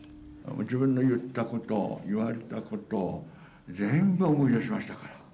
自分の言ったこと、言われたこと、全部思い出しましたから。